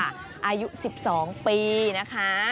อายุ๑๒ปีนะคะ